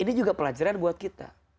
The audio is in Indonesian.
ini juga pelajaran buat kita